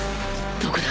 どこだ？